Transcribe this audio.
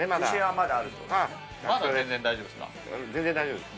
まだ全然大丈夫ですか？